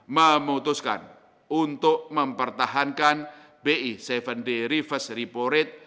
memutuskan untuk mempertahankan bi tujuh day reverse repo rate